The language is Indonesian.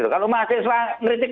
kalau mahasiswa kritik